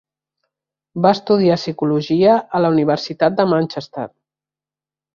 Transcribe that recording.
Va estudiar Psicologia a la Universitat de Manchester.